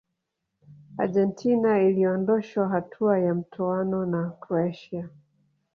argentina iliondoshwa hatua ya mtoano na croatia